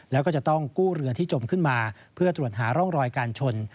แล้วก็จะต้องกู้เรือที่จมขึ้นมาเพื่อตรวจหาร่องรอยการชน